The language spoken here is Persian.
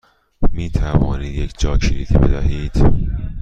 می توانید یک جاکلیدی بدهید؟